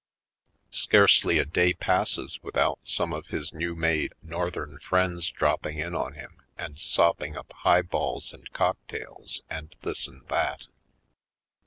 Scarcely a day passes without some of his new made Northern friends dropping in on him and sopping up highballs and cocktails and this and that.